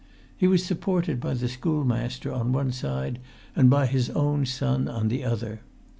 He was supported by the schoolmaster on one side and by his own son on the other.